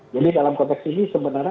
dalam konteks ini sebenarnya